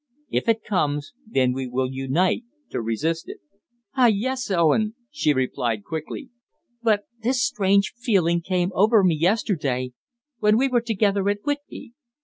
If it comes, then we will unite to resist it." "Ah, yes, Owen," she replied quickly, "but this strange feeling came over me yesterday when we were together at Whitby.